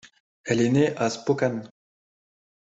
Elle est née à Spokane.